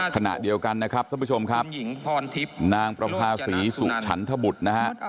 ขณะเดียวกันนะครับท่านผู้ชมครับนางประภาษีสุฉันทบุตรนะฮะ